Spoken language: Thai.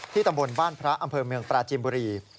ตำบลบ้านพระอำเภอเมืองปราจิมบุรี